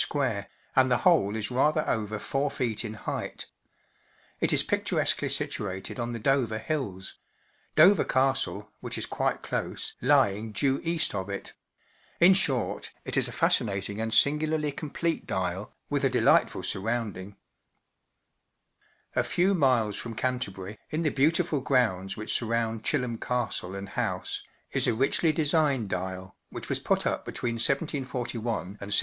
square, and the whole is rather over 4ft. in height It is picturesquely situated on the Dover Hills —Dover Castle, which is quite close, lying due east of it; in short, it is a fascinating and singularly complete dial, with a delightful surrounding* A few miles from Canterbury, in the beautiful grounds which surround Chilham Castle and House, is a richly designed dial, which was put up between 1741 and 1774.